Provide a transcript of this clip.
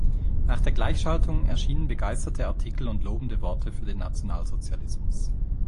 Nach der Gleichschaltung erschienen begeisterte Artikel und lobende Worte für den Nationalsozialismus.